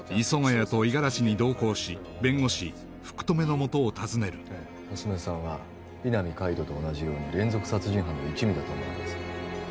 谷と五十嵐に同行し弁護士福留のもとを訪ねる娘さんは井波海人と同じように連続殺人犯の一味だと思われます